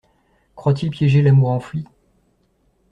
Croit-il piéger l’amour enfui?